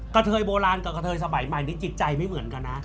เทยโบราณกับกระเทยสมัยใหม่นี้จิตใจไม่เหมือนกันนะ